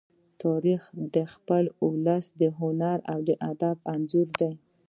تاریخ د خپل ولس د هنر او ادب انځور دی.